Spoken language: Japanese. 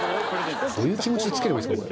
どういう気持ちでつければいいんですか？